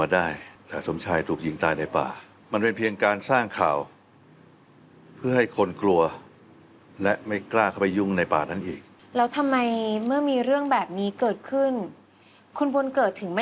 ไม่มีอะไรต้องห่วงแล้วนะสมชายทุกอย่างมันจบแล้วไปสู่สุขตินะ